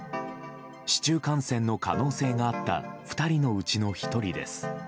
市中感染の可能性があった２人のうちの１人です。